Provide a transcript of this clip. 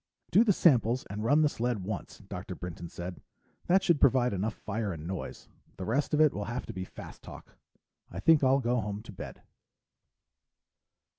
"Do the samples and run the sled once," Dr. Brinton said. "That should provide enough fire and noise. The rest of it will have to be fast talk. I think I'll go home to bed."